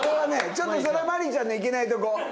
ちょっとそれはマリーちゃんのいけないとこ。